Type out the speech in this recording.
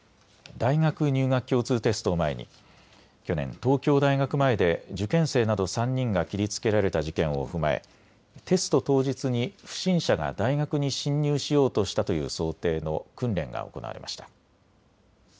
大学入学共通テストを前に去年、東京大学前で受験生など３人が切りつけられた事件を踏まえ、テスト当日に不審者が大学に侵入しようとしたという想定の訓練が行われました。